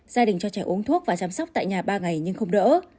gia đình cho trẻ uống thuốc và chăm sóc tại nhà ba ngày nhưng không đỡ